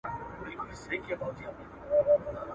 د خوړو مسمومیت د انسان پر ذهني تمرکز هم منفي اغېز کوي.